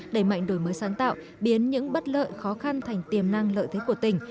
đẩy mạnh đổi mới sáng tạo biến những bất lợi khó khăn thành tiềm năng lợi thế của tỉnh